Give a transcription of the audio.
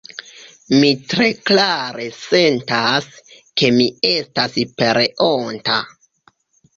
Mi tre klare sentas, ke mi estas pereonta.